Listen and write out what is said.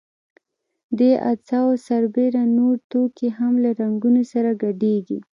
دې اجزاوو سربېره نور توکي هم له رنګونو سره ګډیږي.